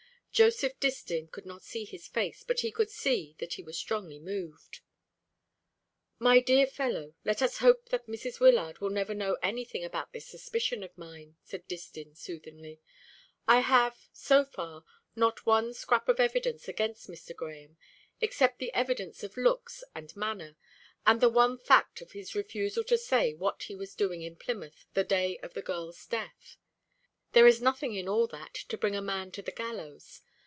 Joseph Distin could not see his face, but he could see that he was strongly moved. "My dear fellow, let us hope that Mrs. Wyllard will never know anything about this suspicion of mine," said Distin soothingly. "I have so far not one scrap of evidence against Mr. Grahame; except the evidence of looks and manner, and the one fact of his refusal to say what he was doing in Plymouth the day of the girl's death. There is nothing in all that to bring a man to the gallows.